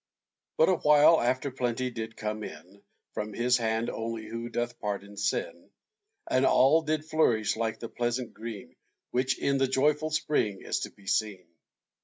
But a while after plenty did come in, From His hand only who doth pardon sin, And all did flourish like the pleasant green, Which in the joyful spring is to be seen.